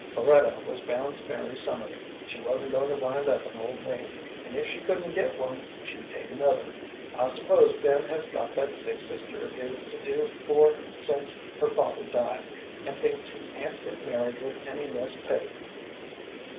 Floretta was bound to marry somebody; she wasn't going to wind up an old maid; and if she couldn't get one, she'd take another. I suppose Ben has got that sick sister of his to do for since her father died, and thinks he can't get married with any less pay.